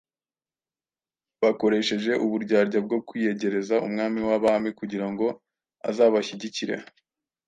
bakoresheje uburyarya bwo kwiyegereza umwami w’abami kugira ngo azabashyigikire.